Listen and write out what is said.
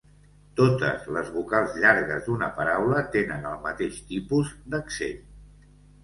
Totes les vocals llargues d'una paraula tenen el mateix tipus d'accent.